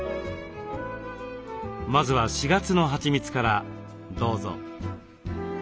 まずは４月のはちみつからどうぞ。